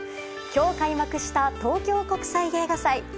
今日開幕した東京国際映画祭。